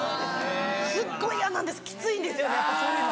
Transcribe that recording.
すっごい嫌なんですきついんですやっぱそういうの。